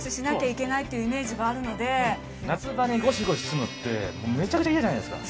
夏場にゴシゴシするのってめちゃくちゃ嫌じゃないですか。